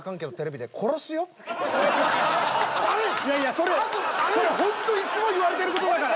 それホントにいつも言われてることだから。